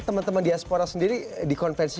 teman teman diaspora sendiri di konvensi